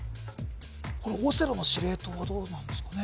オセロの司令塔はどうなんですかね